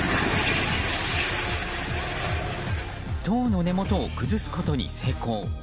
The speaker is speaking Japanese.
塔の根元を崩すことに成功。